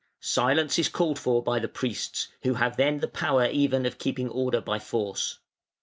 Silence is called for by the priests, who have then the power even of keeping order by force.